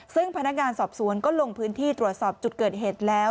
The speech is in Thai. ซึ่งพนักงานสอบสวนก็ลงพื้นที่ตรวจสอบจุดเกิดเหตุแล้ว